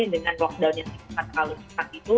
dengan lockdown yang sempat lalu sempat itu